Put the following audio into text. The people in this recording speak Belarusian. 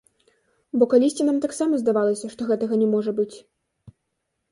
Бо калісьці нам таксама здавалася, што гэтага не можа быць.